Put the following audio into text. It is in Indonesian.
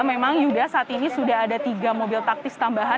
memang yuda saat ini sudah ada tiga mobil taktis tambahan